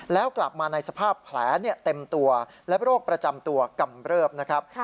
แล้วกลับมาในสภาพแผลเต็มตัวและโรคประจำตัวกำเริบนะครับ